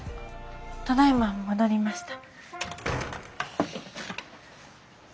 ただいま戻りました。